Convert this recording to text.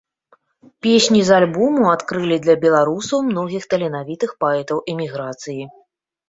Песні з альбому адкрылі для беларусаў многіх таленавітых паэтаў эміграцыі.